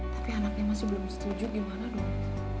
tapi anaknya masih belum setuju gimana dulu